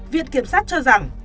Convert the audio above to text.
viện kiểm sát cho rằng